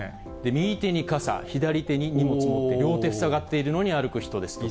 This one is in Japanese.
右手に傘、左手に荷物持って、両手塞がっているのに歩く人ですとか。